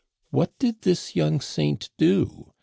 What did this young saint do